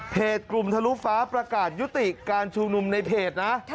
กลุ่มทะลุฟ้าประกาศยุติการชุมนุมในเพจนะ